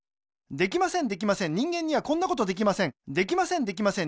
できませんできません人間にはこんなことぜったいにできません